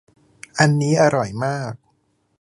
อันนี้อร่อยมาก